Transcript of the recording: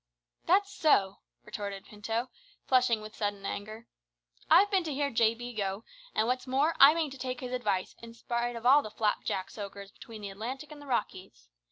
"That's so," retorted Pinto, flushing with sudden anger. "I've been to hear J.B. Gough, an' what's more I mean to take his advice in spite of all the flap jack soakers 'tween the Atlantic and the Rockies.